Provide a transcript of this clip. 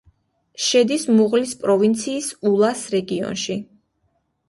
შედის მუღლის პროვინციის ულას რაიონში.